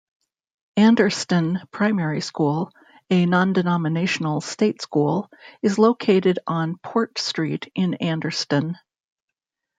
Anderston Primary School, a non-denominational state school, is located on Port Street in Anderston.